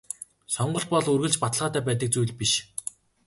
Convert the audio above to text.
Сонголт бол үргэлж баталгаатай байдаг зүйл биш.